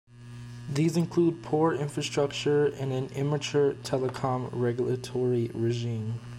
These include poor infrastructure and an immature telecom regulatory regime.